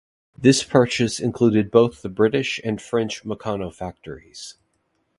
This purchase included both the British and French Meccano factories.